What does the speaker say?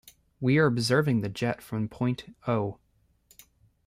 We are observing the jet from the point O.